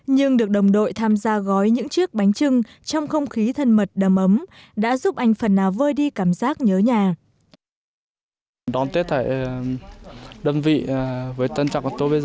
nhưng được đồng đội tham gia gói những chiếc bánh trưng trong không khí thân mật đầm ấm đã giúp anh phần nào vơi đi cảm giác nhớ nhà